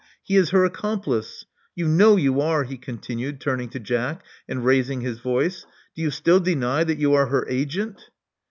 He is her accomplice. You know you are," he continued, turning to Jack, and raising his voice. Do you still deny that you are her agent?"